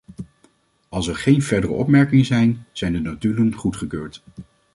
Als er geen verdere opmerkingen zijn, zijn de notulen goedgekeurd.